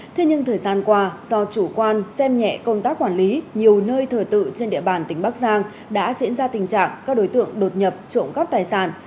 thế nhưng thời gian qua do chủ quan xem nhẹ công tác quản lý nhiều nơi thờ tự trên địa bàn tỉnh bắc giang đã diễn ra tình trạng các đối tượng đột nhập trộm cắp tài sản